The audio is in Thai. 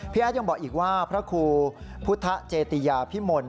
แอดยังบอกอีกว่าพระครูพุทธเจติยาพิมล